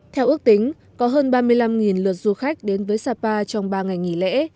theo ước tính có hơn ba mươi năm lượt du khách đến với sapa trong ba ngày nghỉ lễ